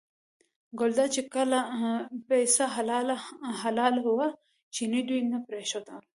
ګلداد چې کله پسه حلالاوه چیني دوی نه پرېښودل.